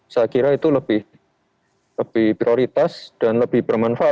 saya kira itu lebih prioritas dan lebih bermanfaat